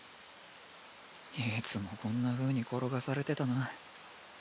いつもこんなふうに転がされてたな。